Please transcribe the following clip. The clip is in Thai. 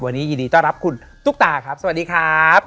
วันนี้ยินดีต้อนรับคุณตุ๊กตาครับสวัสดีครับ